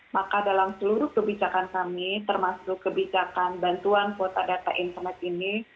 maka dalam seluruh kebijakan kami termasuk kebijakan bantuan kuota data internet ini